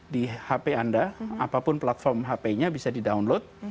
di hp anda apapun platform hpnya bisa di download